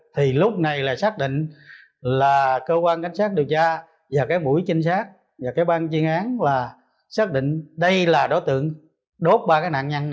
thì lúc này là xác định là cơ quan cảnh sát điều tra và cái buổi trinh sát và cái ban chuyên án là xác định đây là đối tượng đốt ba cái nạn nhân